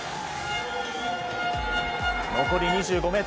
残り２５ｍ。